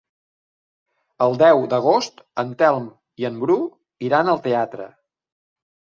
El deu d'agost en Telm i en Bru iran al teatre.